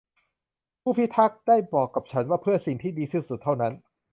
ผู้พิทักษ์ได้บอกกับฉันว่าเพิ่อสิ่งที่ดีที่สุดเท่านั้น